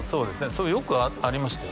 それよくありましたよ